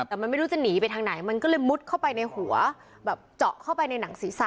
แต่มันไม่รู้จะหนีไปทางไหนมันก็เลยมุดเข้าไปในหัวแบบเจาะเข้าไปในหนังศีรษะ